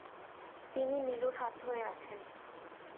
তিনি নীলুর হাত ধরে আছেন।